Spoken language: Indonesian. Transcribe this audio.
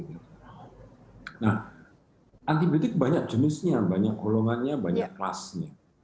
nah antibiotik banyak jenisnya banyak kolongannya banyak kelasnya